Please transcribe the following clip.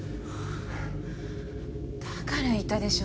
だから言ったでしょ。